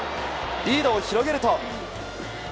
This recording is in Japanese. リードを広げると。